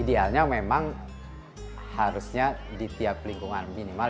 idealnya memang harusnya di tiap lingkungan minimal